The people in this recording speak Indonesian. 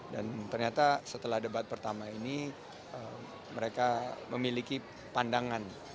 dan ternyata setelah debat pertama ini mereka memiliki pandangan